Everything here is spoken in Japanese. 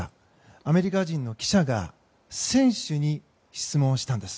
アメリカ人の記者が選手に質問したんです。